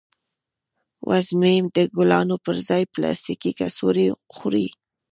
وزه مې د ګلانو پر ځای پلاستیکي کڅوړې خوري.